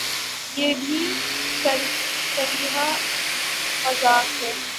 یہ بھی صریحا مذاق ہے۔